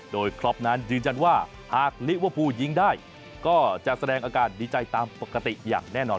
โดยครอปนั้นยืนยันว่าหากลิเวอร์พูลยิงได้ก็จะแสดงอาการดีใจตามปกติอย่างแน่นอน